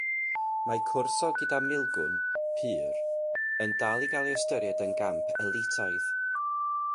Mae cwrso gyda Milgwn pur yn dal i gael ei ystyried yn gamp "elitaidd".